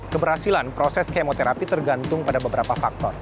keberhasilan proses kemoterapi tergantung pada beberapa faktor